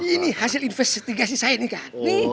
ini hasil investigasi saya nih kak